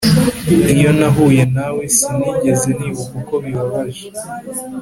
iyo nahuye nawe, sinigeze nibuka uko bibabaje.